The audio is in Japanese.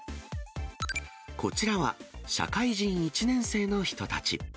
こちらは社会人１年生の人たち。